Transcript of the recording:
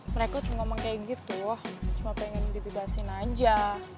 mereka cuma ngomong kayak gitu cuma pengen dibibasin aja